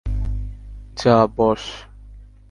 যা, বস।